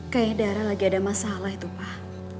kayak darah lagi ada masalah itu pak